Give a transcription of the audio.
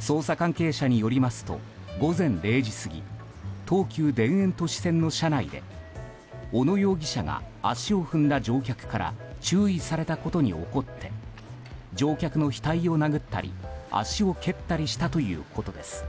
捜査関係者によりますと午前０時過ぎ東急田園都市線の車内で小野容疑者が足を踏んだ乗客から注意されたことに怒って乗客の額を殴ったり、足を蹴ったりしたということです。